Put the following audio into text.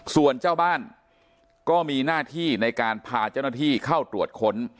ส่วนเจ้าบ้านก็มีหน้าที่ในการพาเจ้าหน้าที่เข้าตรวจค้น